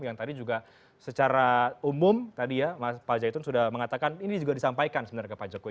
yang tadi juga secara umum tadi ya mas pak zaitun sudah mengatakan ini juga disampaikan sebenarnya ke pak jokowi